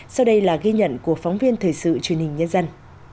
sau đây là ghi nhận của phóng viên thời sự truyền hình nhân dân